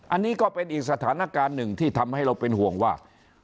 อันนี้ก็เป็นอีกสถานการณ์หนึ่งที่ทำให้เราเป็นห่วงว่า